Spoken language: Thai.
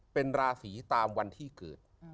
เป็นราศีตามวันที่เกิด